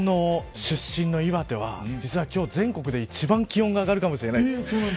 佐々木さんの出身の岩手は実は今日、全国で一番気温が上がるかもしれないんです。